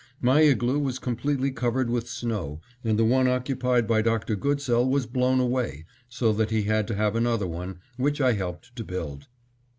My igloo was completely covered with snow and the one occupied by Dr. Goodsell was blown away, so that he had to have another one, which I helped to build.